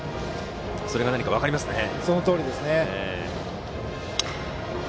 それが分かりますね。